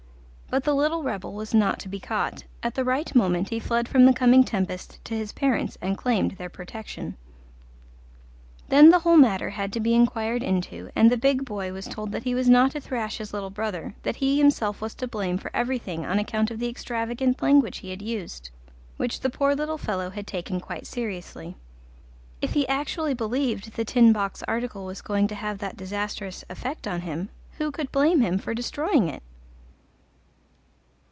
But the little rebel was not to be caught; at the right moment he fled from the coming tempest to his parents and claimed their protection. Then the whole matter had to be inquired into, and the big boy was told that he was not to thrash his little brother, that he himself was to blame for everything on account of the extravagant language he had used, which the poor little fellow had taken quite seriously. If he actually believed The Tin Box article was going to have that disastrous effect on him, who could blame him for destroying it?